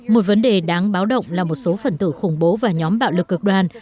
một vấn đề đáng báo động là một số phần tử khủng bố và nhóm bạo lực cực đoan